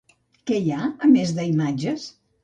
Què hi ha, a més d'imatges?